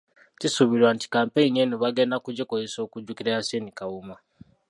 Kisubiirwa nti kampeyini eno bagenda kugikozesa okujjukira Yasin Kawuma.